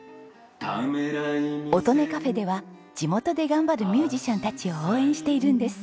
音音かふぇでは地元で頑張るミュージシャンたちを応援しているんです。